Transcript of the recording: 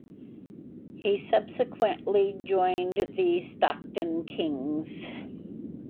He subsequently joined the Stockton Kings.